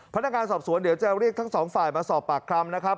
พนักงานสอบสวนเดี๋ยวจะเรียกทั้งสองฝ่ายมาสอบปากคำนะครับ